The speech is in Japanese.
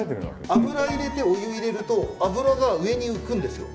油入れてお湯入れると油が上に浮くんですよ。